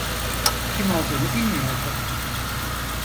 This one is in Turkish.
Kim olduğunu bilmiyordum.